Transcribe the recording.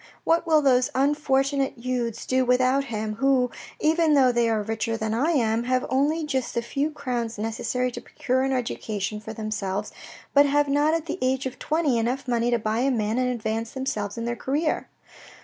What will those unfortunate youths do without him, who, even though they are richer than I am, have only just the few crowns necessary to procure an education for themselves, but have not at the age of twenty enough money to buy a man and advance themselves in their career."